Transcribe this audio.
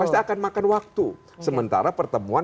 pasti akan makan waktu sementara pertemuan